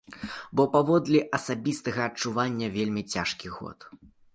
Бо, паводле асабістага адчування, вельмі цяжкі год.